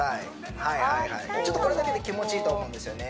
はいはいはいちょっとこれだけで気持ちいいと思うんですよね